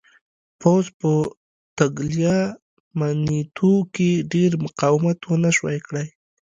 پوځ په تګلیامنیتو کې ډېر مقاومت ونه شوای کړای.